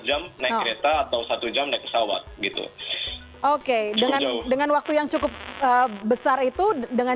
jam naik kereta atau satu jam naik pesawat gitu oke dengan dengan waktu yang cukup besar itu dengan